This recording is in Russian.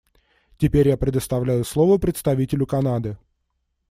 Теперь я предоставляю слово представителю Канады.